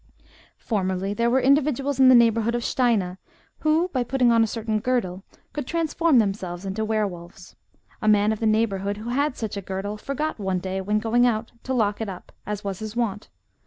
Formerly there were individuals in the neighbour hood of Steina, who, by putting on a certain girdle, could transform themselves into were wolves. A man of the neighbourhood, who had such a girdle, forgot one day when going out to lock it up, as was his wont.